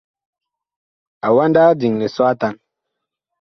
Awanda ag diŋ lisɔ atan.